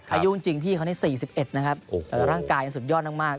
อายุจริงพี่เขาใน๔๑นะครับร่างกายยังสุดยอดมาก